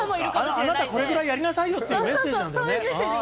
あなた、これぐらいやりなさいよっていうメッセージなんだね。